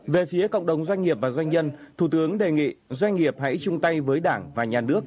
về phía cộng đồng doanh nghiệp và doanh nhân thủ tướng đề nghị doanh nghiệp hãy chung tay với đảng và nhà nước